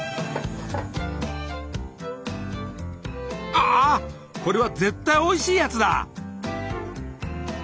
あこれは絶対おいしいやつだ。